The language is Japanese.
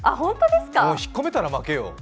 引っ込めたら負けよ。